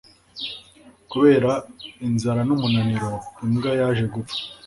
kubera inzara n'umunaniro, imbwa yaje gupfa